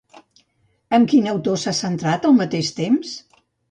Amb quin autor s'ha centrat, al mateix temps?